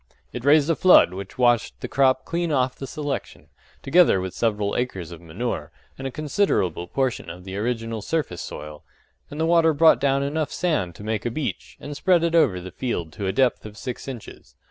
It raised a flood which washed the crop clean off the selection, together with several acres of manure, and a considerable portion of the original surface soil; and the water brought down enough sand to make a beach, and spread it over the field to a depth of six inches.